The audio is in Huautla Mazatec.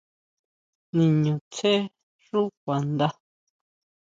Niñutsjé xú kuandá.